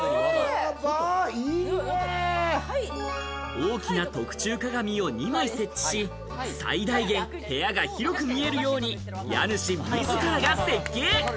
大きな特注鏡を２枚設置し、最大限、部屋が広く見えるように、家主自らが設計。